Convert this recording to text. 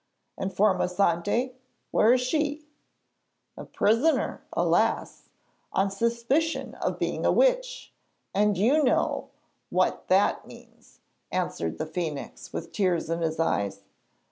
'And Formosante, where is she?' 'A prisoner, alas! on suspicion of being a witch, and you know what that means,' answered the phoenix, with tears in his eyes.